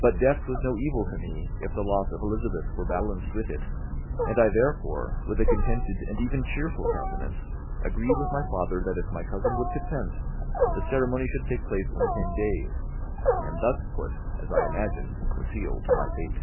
But death was no evil to me if the loss of Elizabeth were balanced with it, and I therefore, with a contented and even cheerful countenance, agreed with my father that if my cousin would consent, the ceremony should take place in ten days, and thus put, as I imagined, the seal to my fate.